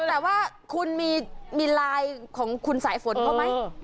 แต่ว่าคุณมีไลน์ของคุณสายฝนเขาไหม